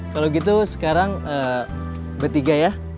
kalau gitu sekarang bertiga ya